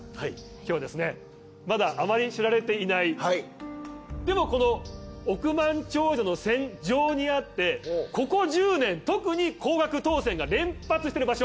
今日はですねまだあまり知られていないでもこの億万長者の線上にあってここ１０年特に高額当選が連発してる場所